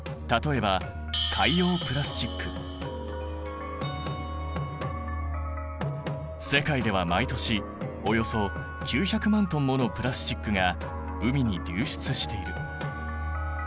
例えば世界では毎年およそ９００万トンものプラスチックが海に流出している。